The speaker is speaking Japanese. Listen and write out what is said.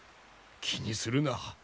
気にするな。